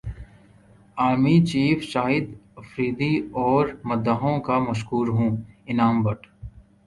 army چیفشاہد Afridi اور مداحوں کا مشکور ہوں انعام بٹ